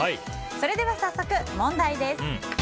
それでは早速問題です。